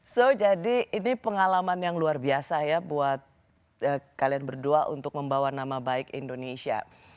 so jadi ini pengalaman yang luar biasa ya buat kalian berdua untuk membawa nama baik indonesia